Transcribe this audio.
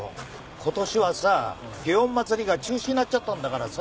今年はさ園祭が中止になっちゃったんだからさ。